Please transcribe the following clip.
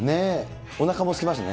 おなかもすきますね。